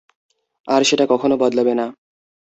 আর সেটা কখনো বদলাবে না।